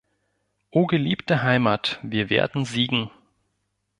Oh geliebte Heimat, wir werden siegen!